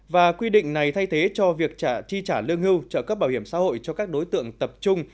và quy định này thay thế cho việc chi trả lương hưu trợ cấp bảo hiểm xã hội cho các đối tượng tập trung